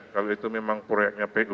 kalau itu memang proyeknya pu